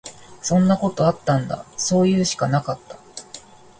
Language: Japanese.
そんなことあったんだ。そういうしかなかった。